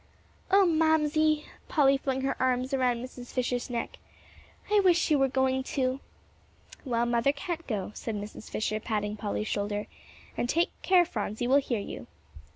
"Oh, Mamsie," Polly flung her arms around Mrs. Fisher's neck, "I wish you were going too." "Well, Mother can't go," said Mrs. Fisher, patting Polly's shoulder; "and take care, Phronsie will hear you."